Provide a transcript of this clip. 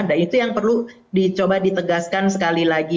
nah itu yang perlu dicoba ditegaskan sekali lagi